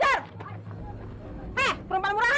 hei perempuan murahan